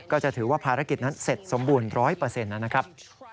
ก็จะถือว่าภารกิจนั้นเสร็จสมบูรณ์ร้อยเปอร์เซ็นต์นะครับ